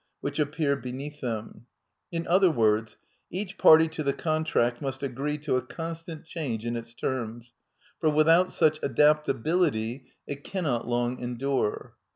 which f]^^flJ6tnc^ik Jihexjx^r Tn other words, each party to the contract must agree to a ^ constant change in its terms, for without such adap \ tability it cannot long endure.